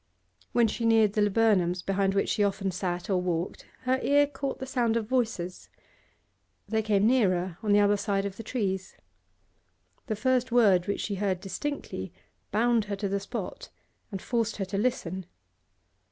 When she neared the laburnums behind which she often sat or walked, her ear caught the sound of voices. They came nearer, on the other side of the trees. The first word which she heard distinctly bound her to the spot and forced her to listen.